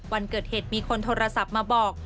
วันเกิดเหตุมีคนโทรศัพท์มาบอก